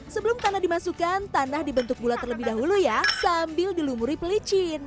sebelum tanah dimasukkan tanah dibentuk bulat terlebih dahulu ya sambil dilumuri pelicin